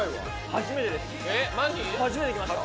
初めて来ました。